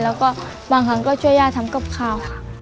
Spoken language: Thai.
และก็บางครั้งเชื่อยาทำกับเขา